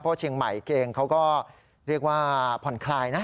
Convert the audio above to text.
เพราะเชียงใหม่เองเขาก็เรียกว่าผ่อนคลายนะ